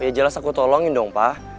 ya jelas aku tolongin dong pak